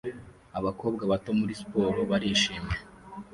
Abakobwa bato muri siporo barishimye